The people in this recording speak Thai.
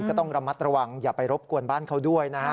ก็ต้องระมัดระวังอย่าไปรบกวนบ้านเขาด้วยนะฮะ